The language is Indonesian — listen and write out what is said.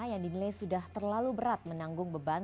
yang dinilai sudah terlalu berat menanggung beban